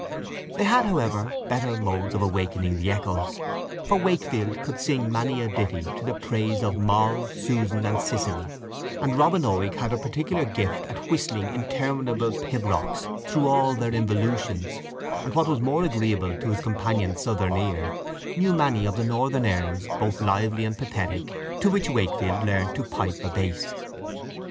They had, however, better modes of awakening the echoes; for Wakefield could sing many a ditty to the praise of Moll, Susan, and Cicely, and Robin Oig had a particular gift at whistling interminable pibrochs through all their involutions, and, what was more agreeable to his companion's southern ear, knew many of the northern airs, both lively and pathetic, to which Wakefield learned to pipe a bass.